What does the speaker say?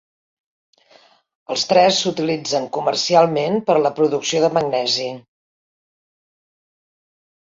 Els tres s'utilitzen comercialment per a la producció de magnesi.